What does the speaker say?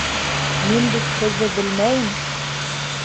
Мин бит һеҙҙе белмәйем.